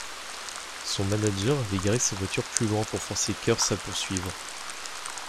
Son manager avait garé sa voiture plus loin pour forcer Kaers à poursuivre.